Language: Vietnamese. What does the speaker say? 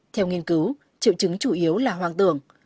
theo nghiên cứu triệu chứng chủ yếu là hoang tưởng